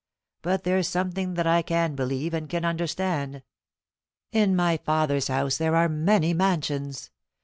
But there's something that I can believe and can understand: 'In my Father's house there are many mansions.'